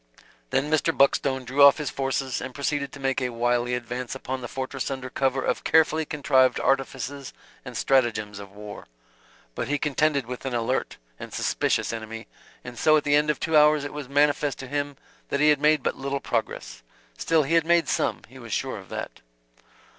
Then Mr. Buckstone drew off his forces and proceeded to make a wily advance upon the fortress under cover of carefully contrived artifices and stratagems of war. But he contended with an alert and suspicious enemy; and so at the end of two hours it was manifest to him that he had made but little progress. Still, he had made some; he was sure of that.